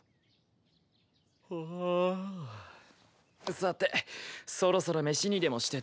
さてそろそろ飯にでもして旅立つか。